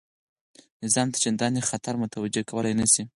نظام ته چنداني خطر متوجه کولای نه شي.